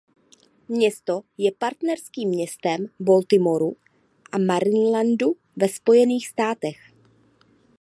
Město je partnerským městem Baltimoru v Marylandu ve Spojených státech.